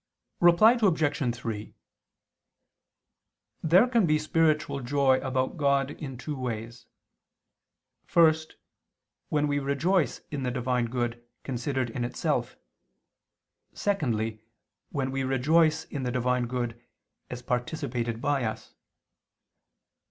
Reply Obj. 3: There can be spiritual joy about God in two ways. First, when we rejoice in the Divine good considered in itself; secondly, when we rejoice in the Divine good as participated by us.